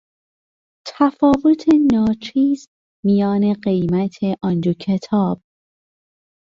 تفاوت ناچیز میان قیمت آن دو کتاب